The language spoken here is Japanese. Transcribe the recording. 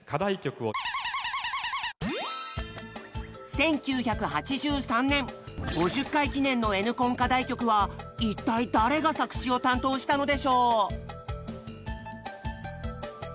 １９８３年５０回記念のＮコン課題曲は一体誰が作詞を担当したのでしょう？